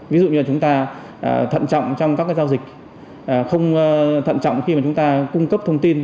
ví dụ như là chúng ta thận trọng trong các giao dịch không thận trọng khi mà chúng ta cung cấp thông tin